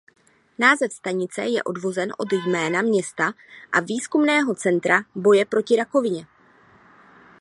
Název stanice je odvozen od jména města a výzkumného centra boje proti rakovině.